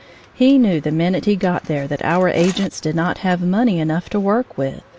He knew the minute he got there that our agents did not have money enough to work with.